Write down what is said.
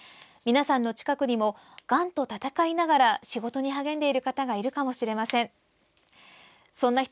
皆さんの近くにもがんと闘いながら仕事に励んでいる方がいるかもしれません。